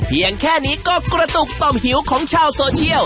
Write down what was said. เพียงแค่นี้ก็กระตุกต่อมหิวของชาวโซเชียล